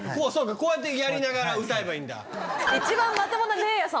こうやってやりながら歌えばいいんだ。